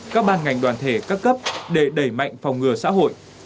các ban ngành đoàn thể các cấp để đẩy mạnh phòng ngừa xã hội